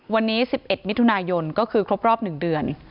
วันนี้๑๑มิถุนายนก็คือครบรอบ๑เดือน